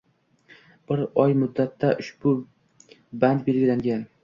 Bir oy muddatda ushbu band belgilangan